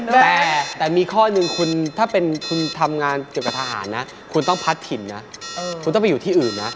แต่มีข้อหนึ่งคุณถ้าเป็นคุณทำงานเกี่ยวกับทหารนะคุณต้องพัดถิ่นนะคุณต้องไปอยู่ที่อื่นนะ